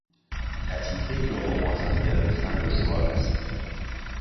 لطیفهای را با موفقیت گفتن دشوار است.